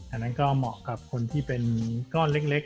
อันนั้นก็เหมาะกับคนที่เป็นก้อนเล็ก